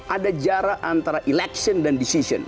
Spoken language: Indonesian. ada jarak antara election dan decision